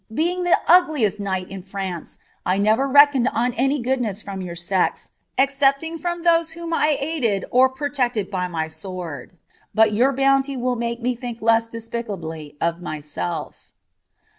being the ugliest knight in France, I never reckoned on uy gmxliiess from your sex, excepting from those whom I had aided or potected by my aword, but your bounty will make me think less dnpicably of myself."